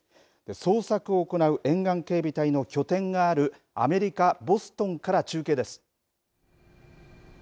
捜索を行う沿岸警備隊の拠点があるアメリカ、ボストンから中継です。